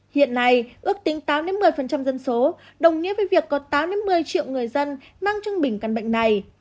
hiện nay ước tính tám một mươi dân số đồng nghĩa với việc có tám một mươi triệu người dân mang trung bình căn bệnh này